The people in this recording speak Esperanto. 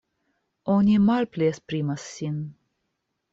Oni malpli esprimas sin.